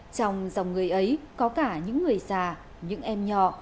trong dòng người ấy có cả những người già những em nhỏ